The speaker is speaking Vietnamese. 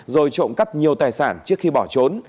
rồi trộm cắp nhiều tài sản trước khi bỏ trốn